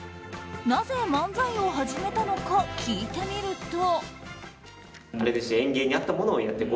なぜ漫才を始めたのか聞いてみると。